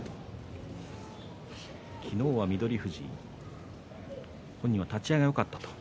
昨日は翠富士本人は立ち合いがよかった。